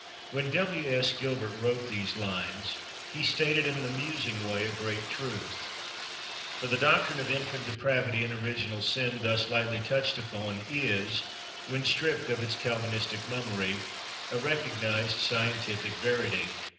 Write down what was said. When W. S. Gilbert wrote these lines, he stated in an amusing way a great truth, for the doctrine of infant depravity and original sin thus lightly touched upon is, when stripped of its Calvinistic mummery, a recognized scientific verity.